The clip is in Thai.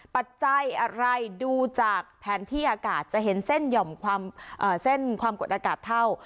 ปัจจัยอะไรดูจากแผนที่อากาศจะเห็นเส้นหย่อมความเส้นความกดอากาศเท่า